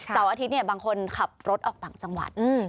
เสาร์อาทิตย์เนี่ยบางคนขับรถออกต่างจังหวัดอืม